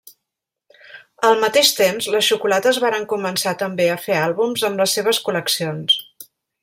Al mateix temps, les xocolates varen començar també a fer àlbums amb les seves col·leccions.